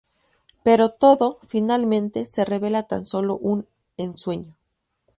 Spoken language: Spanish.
Pero todo, finalmente, se revela tan sólo un ensueño.